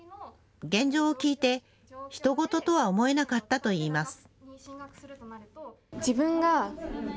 現状を聞いて、ひと事とは思えなかったといいます。